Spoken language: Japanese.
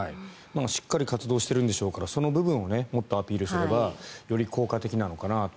しっかり活動してるんでしょうからその部分をもっとアピールすればより効果的なのかなと。